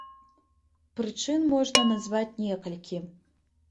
Прычын можна назваць некалькі.